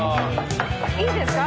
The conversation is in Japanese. いいですか？